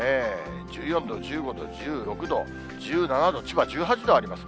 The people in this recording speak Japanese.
１４度、１５度、１６度、１７度、千葉１８度あります。